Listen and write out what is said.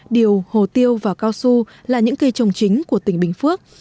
điều hồ tiêu và cao su là những cây trồng chính của tỉnh bình phước